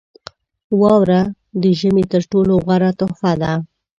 • واوره د ژمي تر ټولو غوره تحفه ده.